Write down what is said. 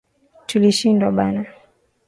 Tulishindwa bana